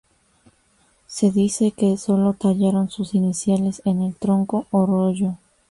Se dice que solo tallaron sus iniciales en el tronco o rollo.